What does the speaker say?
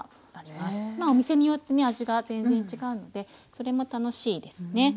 まあお店によってね味が全然違うのでそれも楽しいですね。